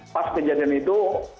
pas kejadian itu